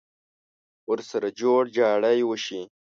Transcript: ورسره جوړ جاړی وشي.